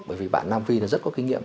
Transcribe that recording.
bởi vì bạn nam phi rất có kinh nghiệm